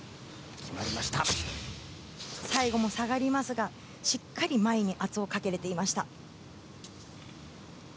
最後も下がりますがしっかり前に圧をかけられていました。